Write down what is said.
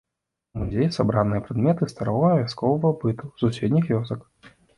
У музеі сабраныя прадметы старога вясковага быту з суседніх вёсак.